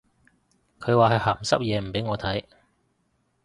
佢話係鹹濕嘢唔俾我睇